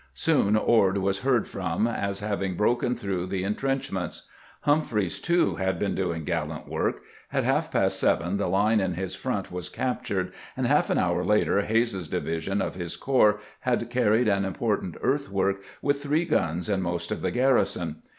Soon Ord was heard from as having broken through the intrenchments. Humphreys, too, had been doing gallant work. At half past seven the line in his front was captured, and half an hour later Hays's division of his corps had carried an important earthwork, with three guns and most of the garrison.